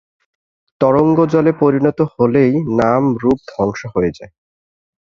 তরঙ্গ জলে পরিণত হলেই নাম-রূপ ধ্বংস হয়ে যায়।